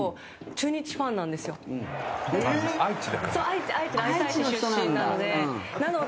浅尾：愛西市出身なので。